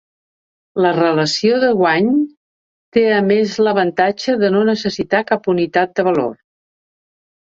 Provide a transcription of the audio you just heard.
La relació de guany té a més l'avantatge de no necessitar cap unitat de valor.